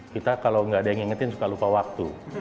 kita kalau nggak ada yang ngingetin suka lupa waktu